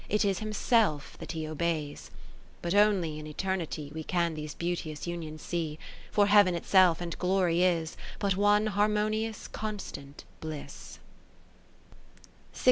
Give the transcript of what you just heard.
It is himself that he obeys. xxvii But only in Eternity We can these beauteous unions see : For Heaven itself and Glory is But one harmonious constant bliss.